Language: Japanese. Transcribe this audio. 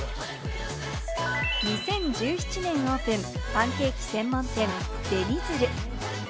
２０１７年オープン、パンケーキ専門店・紅鶴。